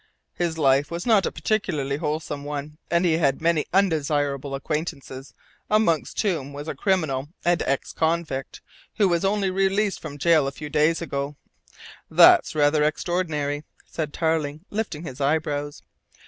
His life was not a particularly wholesome one, and he had many undesirable acquaintances, amongst whom was a criminal and ex convict who was only released from gaol a few days ago." "That's rather extraordinary," said Tarling, lifting his eyebrows.